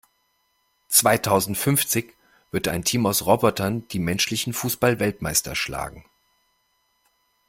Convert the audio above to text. Zweitausendfünfzig wird ein Team aus Robotern die menschlichen Fußballweltmeister schlagen.